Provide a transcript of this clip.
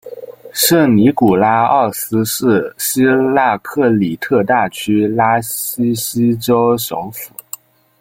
圣尼古拉奥斯是希腊克里特大区拉西锡州首府。